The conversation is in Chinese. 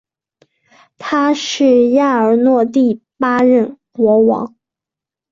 他是亚尔诺第八任国王。